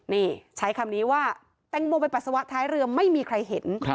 นี่ใช้คำนี้ว่าแตงโมไปปัสสาวะท้ายเรือไม่มีใครเห็น